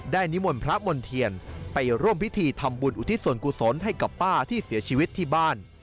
นิมนต์พระมณ์เทียนไปร่วมพิธีทำบุญอุทิศส่วนกุศลให้กับป้าที่เสียชีวิตที่บ้าน